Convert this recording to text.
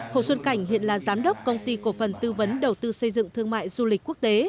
hồ xuân cảnh hiện là giám đốc công ty cổ phần tư vấn đầu tư xây dựng thương mại du lịch quốc tế